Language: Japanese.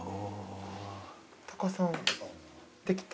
タカさんできた？